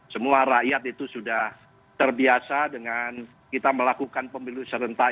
semua rakyat itu sudah terbiasa dengan kita melakukan pemilu serentak